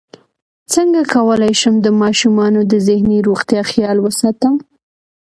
څنګه کولی شم د ماشومانو د ذهني روغتیا خیال وساتم